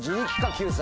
救済？